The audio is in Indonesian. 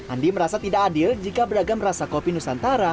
andi merasa tidak adil jika beragam rasa kopi nusantara